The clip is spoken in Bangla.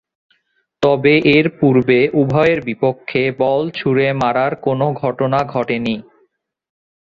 তবে, এরপূর্বে উভয়ের বিপক্ষে বল ছুড়ে মারার কোন ঘটনা ঘটেনি।